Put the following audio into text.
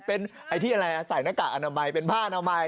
เป็นไอ้ที่อะไรใส่หน้ากากอนามัยเป็นผ้านามัย